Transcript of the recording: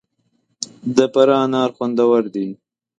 د فراه انار خوندور دي